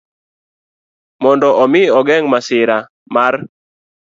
Mondo omi ogeng ' masira mar